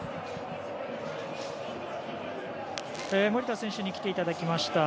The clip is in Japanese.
守田選手に来ていただきました。